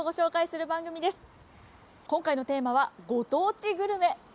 今回のテーマは「ご当地グルメ」。